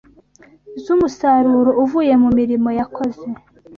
z’umusaruro uvuye mu murimo yakoze